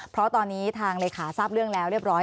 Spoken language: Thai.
เพราะตอนนี้ทางเลขาทราบเรื่องแล้วเรียบร้อย